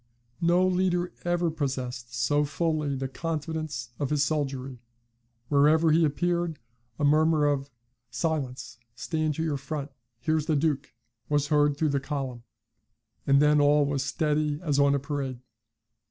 No leader ever possessed so fully the confidence of his soldiery: wherever he appeared, a murmur of 'Silence stand to your front here's the Duke,' was heard through the column, and then all was steady as on a parade.